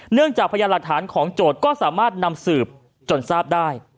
จากพยานหลักฐานของโจทย์ก็สามารถนำสืบจนทราบได้